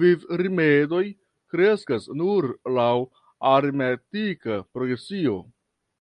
Vivrimedoj kreskas nur laŭ aritmetika progresio.